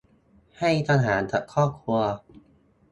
ให้ทหารกับครอบครัว